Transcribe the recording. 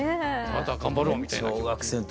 また頑張ろうみたいな気持ちに。